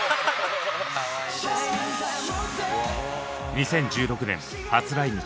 ２０１６年初来日。